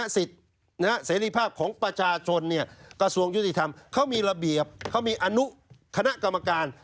เสรีภาพของประชาชนกระทรวงยุติธรรมเขามีระเบียบเขามีอนุคณะกรรมการ